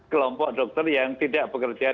kelompok dokter yang tidak bekerja